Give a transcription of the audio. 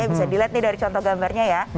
bisa dilihat nih dari contoh gambarnya ya